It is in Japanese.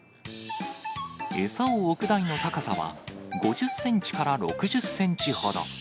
餌を置く台の高さは、５０センチから６０センチほど。